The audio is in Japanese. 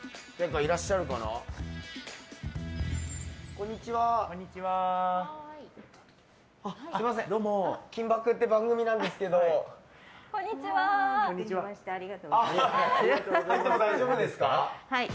入っても大丈夫ですか？